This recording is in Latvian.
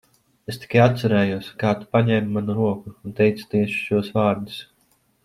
Es tikai atcerējos, kā tu paņēmi manu roku un teici tieši šos vārdus.